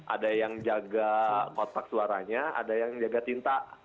ada yang jaga kotak suaranya ada yang jaga tinta